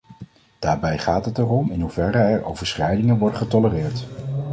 Daarbij gaat het erom in hoeverre er overschrijdingen worden getolereerd.